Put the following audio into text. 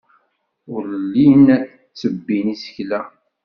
Ur llin ttebbin isekla.